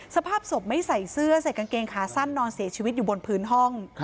สภาพศพไม่ใส่เสื้อใส่กางเกงขาสั้นนอนเสียชีวิตอยู่บนพื้นห้อง